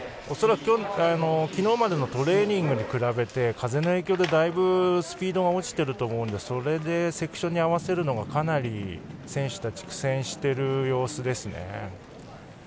恐らく昨日までのトレーニングに比べて風の影響でだいぶスピードが落ちていると思うのでそれでセクションに合わせるのがかなり選手たち苦戦している様子ですね。